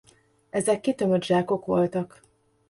Ezek kitömött zsákok voltak.